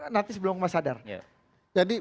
nanti sebelum mas sadar jadi